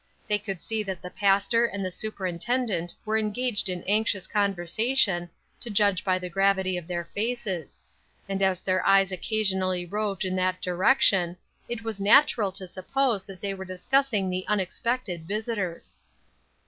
They could see that the pastor and the superintendent were engaged in anxious conversation, to judge by the gravity of their faces; and as their eyes occasionally roved in that direction, it was natural to suppose they were discussing the unexpected visitors.